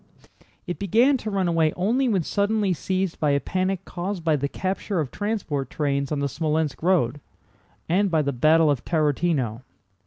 It began to run away only when suddenly seized by a panic caused by the capture of transport trains on the Smolénsk road, and by the battle of Tarútino.